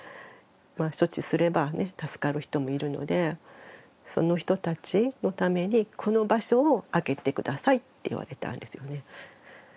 処置すれば助かる人もいるのでその人たちのためにこの場所を空けて下さいって言われたんですよね。